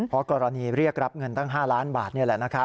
เพราะกรณีเรียกรับเงินตั้ง๕ล้านบาทนี่แหละ